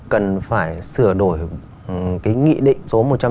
cần phải sửa đổi cái nghị định